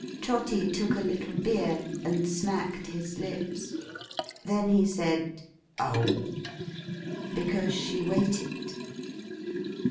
Trotty took a little beer, and smacked his lips. Then he said, 'Oh!'—because she waited.